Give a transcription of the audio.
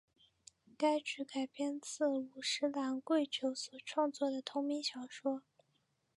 该剧改编自五十岚贵久所创作的同名小说。